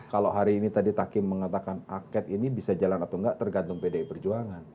kalau hari ini tadi takim mengatakan angket ini bisa jalan atau enggak tergantung pdi perjuangan